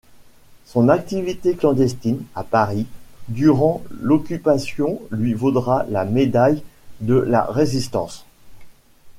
Son activité clandestine à Paris durant l'occupation lui vaudra la médaille de la Résistance.